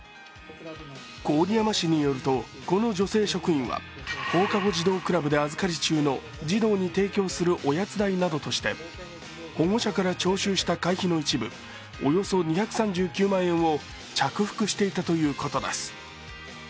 郡山市によると、この女性職員は放課後児童クラブで預かり中の児童に提供するおやつ代などとして保護者から徴収した会費の一部およそ２３９万円を着服していたということです。